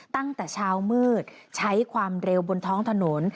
ตั้งแต่เช้ามืดใช้ความเร็วบนท้องถนน